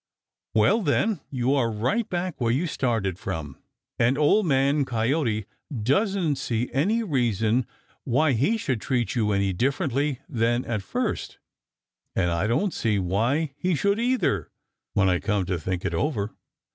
"Well, then you are right back where you started from, and Old Man Coyote doesn't see any reason why he should treat you any differently than at first, and I don't see why he should either, when I come to think it over.